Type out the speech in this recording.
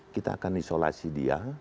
kita akan isolasi dia